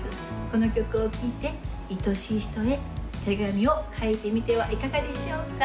この曲を聴いていとしい人へ手紙を書いてみてはいかがでしょうか？